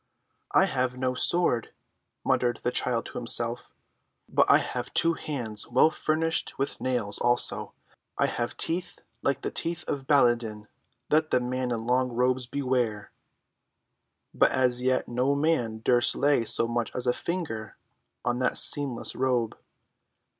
"I have no sword," muttered the child to himself, "but I have two hands well furnished with nails, also, I have teeth like the teeth of Baladan. Let the men in long robes beware." But as yet no man durst lay so much as a finger on that seamless robe.